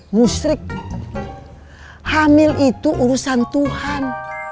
musrik hamil itu urusan tuhan